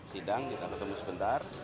sidang kita bertemu sebentar